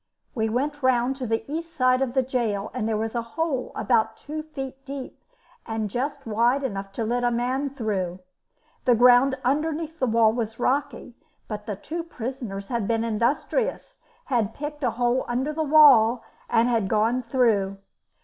We went round to the east side of the gaol, and there was a hole about two feet deep, and just wide enough to let a man through. The ground underneath the wall was rocky, but the two prisoners had been industrious, had picked a hole under the wall and had gone through.